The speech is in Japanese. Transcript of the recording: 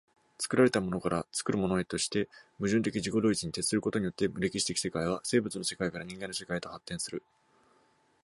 作られたものから作るものへとして、矛盾的自己同一に徹することによって、歴史的世界は生物の世界から人間の世界へと発展する。